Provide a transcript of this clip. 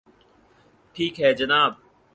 ٹھیک ہے جناب